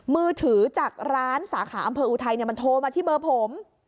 มือถือจากร้านสาขาอำเภออุทัยมันโทรมาที่เบอร์ผม